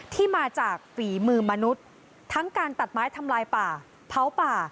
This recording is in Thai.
ที่มาจากฝีมือมนุษย์ทั้งการตัดไม้ทำลายป่าเผาป่า